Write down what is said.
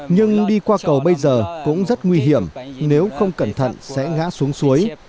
nhưng đi qua cầu bây giờ cũng rất nguy hiểm nếu không cẩn thận sẽ ngã xuống suối